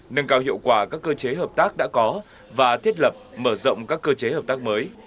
nâng cao hiệu quả các cơ chế hợp tác đã có và thiết lập mở rộng các cơ chế hợp tác mới